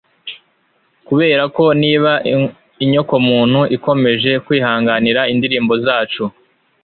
Kuberako niba inyokomuntu ikomeje kwihanganira indirimbo zacu